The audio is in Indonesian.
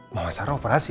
mama sarah operasi